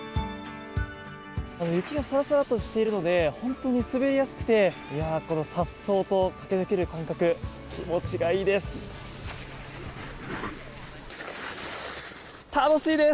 雪がサラサラとしているので本当に滑りやすくてこの、さっそうと駆け抜ける感覚気持ちがいいです。